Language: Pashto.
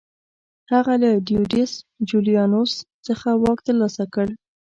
هغه له ډیډیوس جولیانوس څخه واک ترلاسه کړ